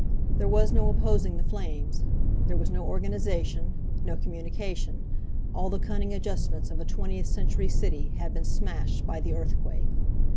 There was no opposing the flames. There was no organization, no communication. All the cunning adjustments of a twentieth century city had been smashed by the earthquake.